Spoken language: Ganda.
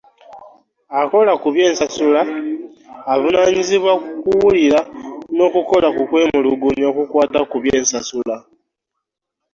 Akola ku by'ensasula avunaanyizibwa ku kuwulira n’okukola ku kwemulugunya okukwata ku by'ensasula.